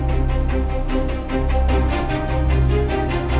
gue teriak nih